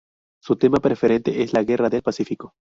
Su tema preferente es la Guerra del Pacífico.